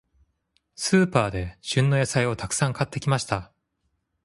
スーパーで、旬の野菜をたくさん買ってきました。